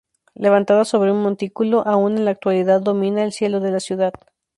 Levantada sobre un montículo, aún en la actualidad domina el cielo de la ciudad.